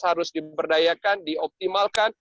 harus diberdayakan dioptimalkan